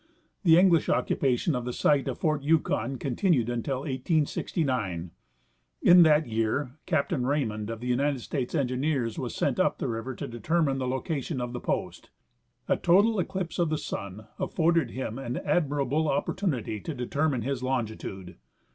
The English occupation of the site of fort Yukon con tinued until 1869. In that year Captain Raymond, of the United States Engineers, was sent up the river to determine the location of the post. A total eclipse of the sun afforded him an admirable opportunity to determine his longitude.